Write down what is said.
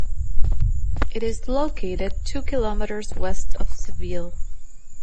It is located two kilometers west of Seville.